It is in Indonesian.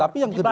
tapi yang kedua